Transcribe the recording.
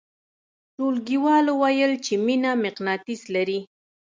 ټولګیوالو ویل چې مینه مقناطیس لري